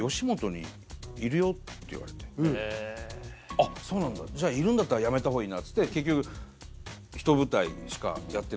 あっそうなんだいるんだったらやめたほうがいいなっつって結局ひと舞台しかやってないんですけど